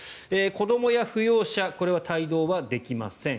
子どもや扶養者これは帯同はできません。